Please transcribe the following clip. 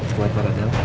buat pak dadang